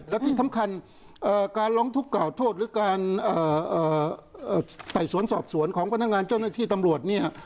และที่สำคัญการร้องทุกข์กล่าวโทษหรือการไต่สวนสอบสวนของพนักงานเจ้าหน้าที่ตำรวจเนี่ย